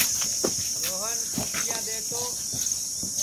روہن کُونٚٹِیا دؔے تو